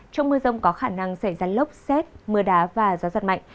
trong mưa rông có khả năng xảy ra lốc xét mưa đá và gió giật mạnh